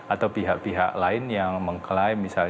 atau pihak pihak lain yang mengklaim misalnya